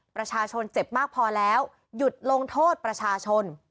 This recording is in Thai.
ประชาชนเจ็บมากพอแล้วหยุดลงโทษประชาชน